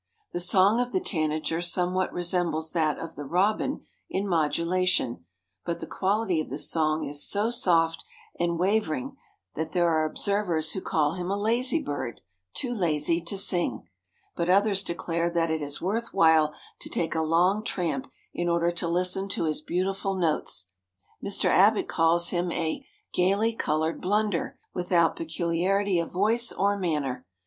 The song of the tanager somewhat resembles that of the robin in modulation; but the quality of the song is so soft and wavering that there are observers who call him a lazy bird, too lazy to sing. But others declare that it is worth while to take a long tramp in order to listen to his beautiful notes. Mr. Abbott calls him a "gayly colored blunder" without peculiarity of voice or manner.